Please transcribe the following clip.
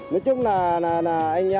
nói chung là anh em chúng tôi là doanh nghiệp